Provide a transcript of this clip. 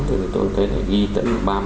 thì tôi thấy là ghi tận ba mươi tám